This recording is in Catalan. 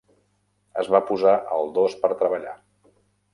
Es va posar els dos per treballar.